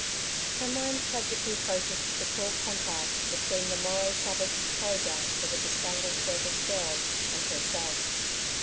Her mind tragically focussed the cruel contrast between the morrow Sabbath's programme for the bespangled circus girl and herself.